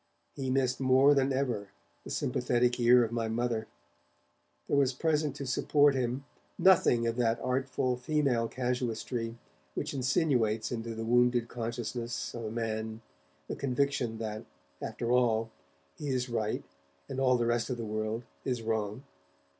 He missed more than ever the sympathetic ear of my Mother; there was present to support him nothing of that artful, female casuistry which insinuates into the wounded consciousness of a man the conviction that, after all, he is right and all the rest of the world is wrong.